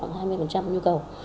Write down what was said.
khoảng hai mươi nhu cầu